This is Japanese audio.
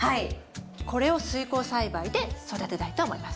これを水耕栽培で育てたいと思います。